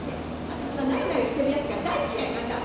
私はなよなよしてるやつが大嫌いなんだ！